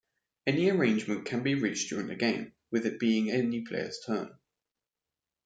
Any arrangement can be reached during the game, with it being any player's turn.